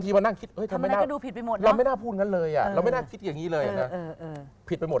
ทำไม่น่าดูผิดไปหมด